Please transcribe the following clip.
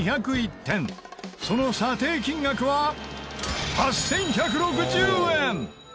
その査定金額は８１６０円！